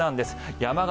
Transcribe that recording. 山形